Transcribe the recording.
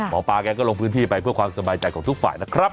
หมอปลาแกก็ลงพื้นที่ไปเพื่อความสบายใจของทุกฝ่ายนะครับ